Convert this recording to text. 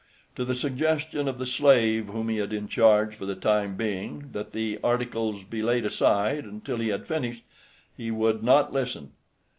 To the suggestion of the slave whom he had in charge for the time being that the articles be laid aside until he had finished, he would not listen.